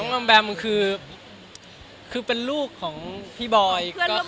ไม่คิดมากครับไม่คิดมาก